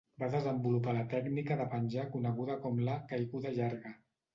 Va desenvolupar la tècnica de penjar coneguda com la "caiguda llarga".